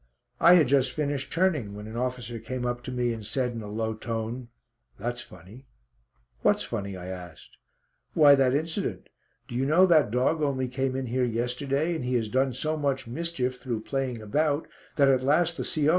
I had just finished turning, when an officer came up to me and said in a low tone: "That's funny." "What's funny?" I asked. "Why that incident. Do you know that dog only came in here yesterday, and he has done so much mischief through playing about, that at last the C.O.